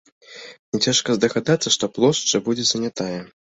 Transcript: Няцяжка здагадацца, што плошча будзе занятая.